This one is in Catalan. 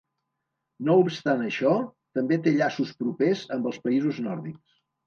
No obstant això, també té llaços propers amb els països nòrdics.